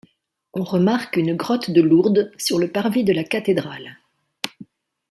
On remarque une grotte de Lourdes sur le parvis de la cathédrale.